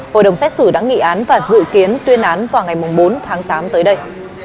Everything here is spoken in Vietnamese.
hội đồng xét xử đã nghị án và dự kiến tuyên án vào ngày bốn tháng tám tới đây